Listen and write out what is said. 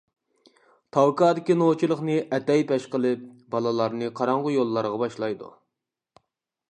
تاۋكادىكى نوچىلىقىنى ئەتەي پەش قىلىپ، بالىلارنى قاراڭغۇ يوللارغا باشلايدۇ.